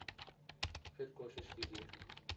پھر کوشش کیجئے